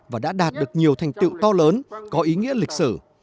và đã đạt được nhiều thành tiệu to lớn có ý nghĩa lịch sử